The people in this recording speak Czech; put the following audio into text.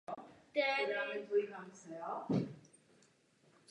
Po zápase však přiznal že není se svou nohou úplně spokojený.